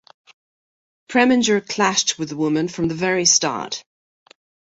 Preminger clashed with the woman from the very start.